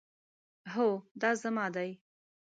هو، دا زما دی